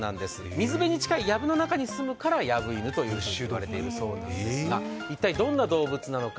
水辺に近い、やぶの中に住むからヤブイヌと呼ばれているそうですが、一体どんな動物なのか。